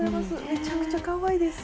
むちゃくちゃかわいいです。